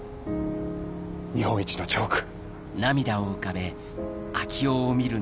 日本一のチョーク。